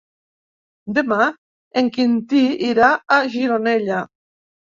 Demà en Quintí irà a Gironella.